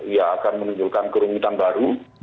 ia akan menunjukkan kerumitan baru